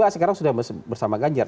sekarang sudah bersama ganjar